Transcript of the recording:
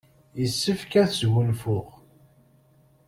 Yessefk ad sgunfuɣ.